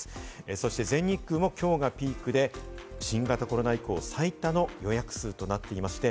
そして全日空も今日がピークで、新型コロナ以降、最多の予約数となっていました。